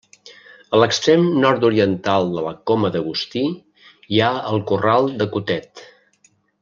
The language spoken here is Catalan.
A l'extrem nord-oriental de la Coma d'Agustí hi ha el Corral de Cotet.